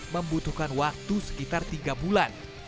membutuhkan waktu sekitar tiga bulan